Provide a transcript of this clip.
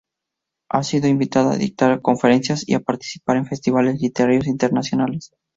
Ha sido invitada a dictar conferencias y a participar en festivales literarios internacionales.